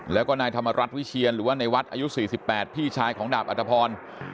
แล้วก็นายธรรมรัฐวิเชียนหรือว่าในวัดอายุ๔๘พี่ชายของดาบอัตภพร